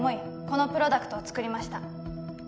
このプロダクトを作りました